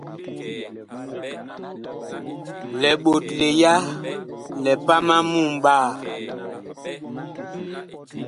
Liɓotle ya lipam a mumɓaa.